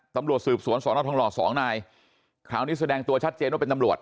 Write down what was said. ตำรวจสืบสวนสอนอทองหล่อสองนายคราวนี้แสดงตัวชัดเจนว่าเป็นตำรวจ